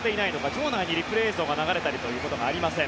場内にリプレー映像が流れたりということがありません。